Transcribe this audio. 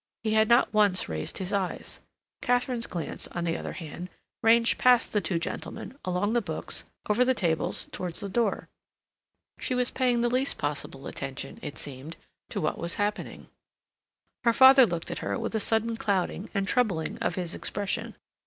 He had not once raised his eyes. Katharine's glance, on the other hand, ranged past the two gentlemen, along the books, over the tables, towards the door. She was paying the least possible attention, it seemed, to what was happening. Her father looked at her with a sudden clouding and troubling of his expression.